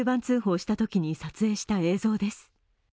通報したときに撮影した映像です。